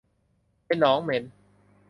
เป็นหนองเหม็น